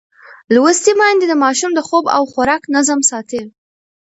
لوستې میندې د ماشوم د خوب او خوراک نظم ساتي.